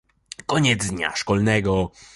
Koniec dnia szkolnego.